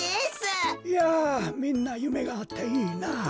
いやみんなゆめがあっていいなあ。